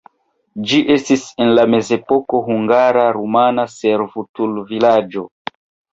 Ĝi estis en la mezepoko hungara-rumana servutulvilaĝo.